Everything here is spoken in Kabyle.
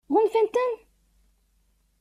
Ɣunfant-ten?